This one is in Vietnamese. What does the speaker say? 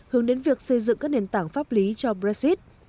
hướng đến việc xây dựng các nền tảng pháp lý cho brexit